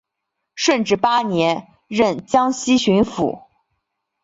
顺治八年任江西巡抚。